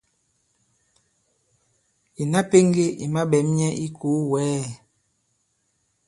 Ìna pēŋge i maɓɛ̌m nyɛ i ikòo wɛ̌ɛ!